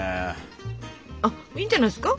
あいいんじゃないですか？